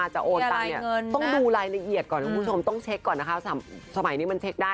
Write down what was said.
ต้องต้องระวังสมุดค่ะ